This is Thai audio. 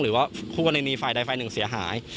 หรือว่าคู่กรณีฝ่ายใดฝ่ายหนึ่งเสียหาย